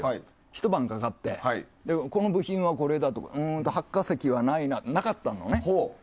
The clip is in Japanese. ひと晩かかってこの部品はこれだとか発火石はないなとかなってね。